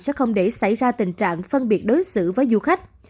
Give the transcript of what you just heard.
sẽ không để xảy ra tình trạng phân biệt đối xử với du khách